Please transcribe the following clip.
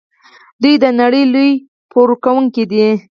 دوی د نړۍ لوی پور ورکوونکي دي.